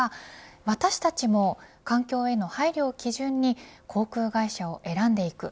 私たちも環境への配慮を基準に航空会社を選んでいく。